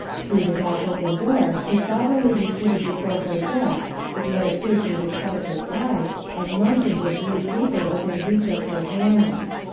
Through the half open door he saw the lady seated before her desk with what appeared to his covet ous eyes as mcuntains of blue paper within reach of her hand.